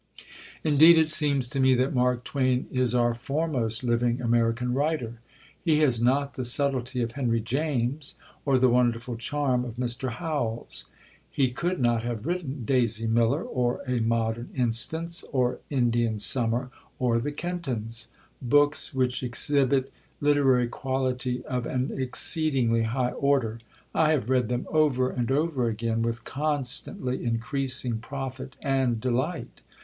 Indeed, it seems to me that Mark Twain is our foremost living American writer. He has not the subtlety of Henry James or the wonderful charm of Mr. Howells; he could not have written Daisy Miller, or A Modern Instance, or Indian Summer, or The Kentons books which exhibit literary quality of an exceedingly high order. I have read them over and over again, with constantly increasing profit and delight.